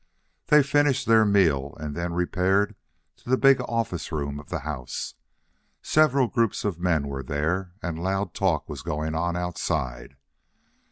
They finished their meal then and repaired to the big office room of the house. Several groups of men were there and loud talk was going on outside.